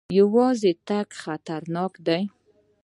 یوازې تګ خطرناک دی.